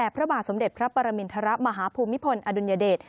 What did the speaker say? ประมินทรมาภูมิพลอดุญเดต